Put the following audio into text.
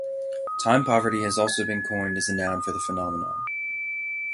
Time poverty has also been coined as a noun for the phenomenon.